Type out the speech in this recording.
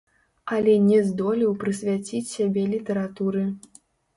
Але не здолеў прысвяціць сябе літаратуры.